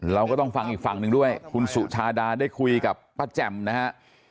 เราก็ต้องฟังอีกฝั่งหนึ่งด้วยคุณสุชาดาได้คุยกับป้าแจ่มนะฮะ